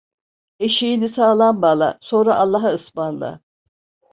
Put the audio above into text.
Eşeğini sağlam bağla, sonra Allah'a ısmarla.